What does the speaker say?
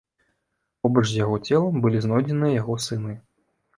Побач з яго целам былі знойдзеныя яго сыны.